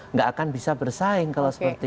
tidak akan bisa bersaing kalau seperti ini